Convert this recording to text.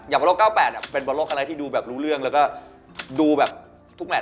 บอลโลก๙๘เป็นบอลโลกอะไรที่ดูแบบรู้เรื่องแล้วก็ดูแบบทุกแมท